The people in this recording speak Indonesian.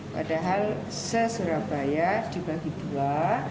padahal se surabaya dibagi dua